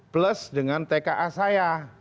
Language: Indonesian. plus dengan tka saya